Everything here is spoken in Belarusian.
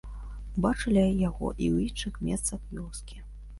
Бачылі яго і ў іншых месцах вёскі.